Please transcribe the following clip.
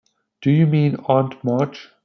Do you mean Aunt March?